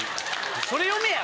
それ読めや！